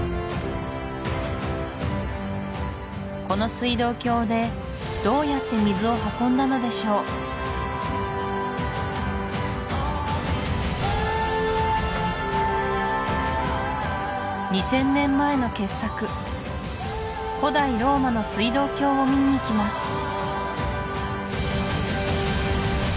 この水道橋でどうやって水を運んだのでしょう？を見に行きます